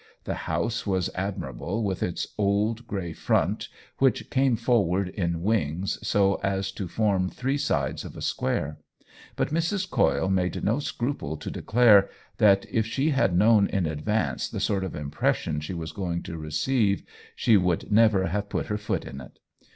The house was admirable with its old gray front, which came forward in wings so as to form three sides of a square; but Mrs. Coyle made no scruple to declare that if she had known in advance the sort of impression she was going to receive she would never have put her foot in it.